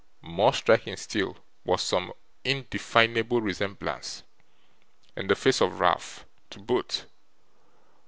More striking still was some indefinable resemblance, in the face of Ralph, to both.